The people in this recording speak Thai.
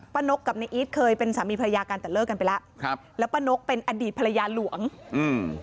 นกกับในอีทเคยเป็นสามีภรรยากันแต่เลิกกันไปแล้วครับแล้วป้านกเป็นอดีตภรรยาหลวงอืม